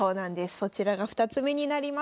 そちらが２つ目になります。